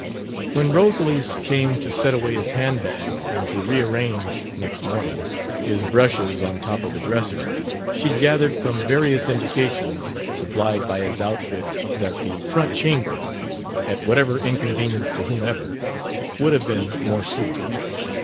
When Rosalys came to set away his handbag and to rearrange, next morning, his brushes on the top of the dresser, she gathered from various indications supplied by his outfit that the front chamber, at whatever inconvenience to whomever, would have been more suitable.